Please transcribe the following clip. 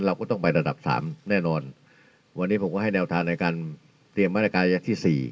เราก็ต้องไประดับสามแน่นอนวันนี้ผมก็ให้แนวทางในการเตรียมมาตรการระยะที่สี่